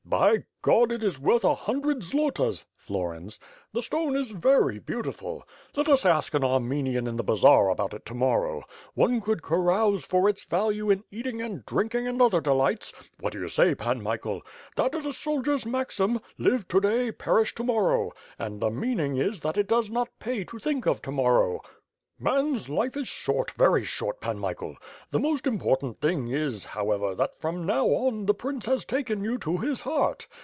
By God! it is worth a hundred zlotas (florins); the stone is very beautiful. Jjet us ask an Armenian in the bazaar about it to morrow. One could carouse for its value in eating and drinking and other delights; what do you say, Pan Michael? That is a soldier's maxim, ^Live to day, perish to morrow,' and the meaning is that it does not pay to think of to morrow. Man's life is short, very short, Pan Michael. The most important thing is, however, that from now on the prince has taken you to his heart.